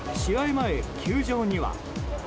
前、球場には。